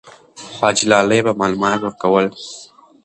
حاجي لالی به معلومات ورکول.